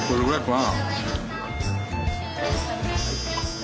はい。